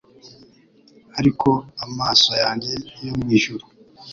Ariko amaso yanjye yo mwijuru